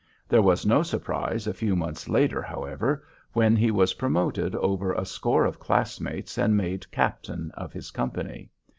There was no surprise a few months later, however, when he was promoted over a score of classmates and made captain of his company.